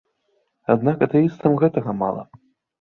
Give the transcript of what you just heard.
Аднак атэістам гэтага мала.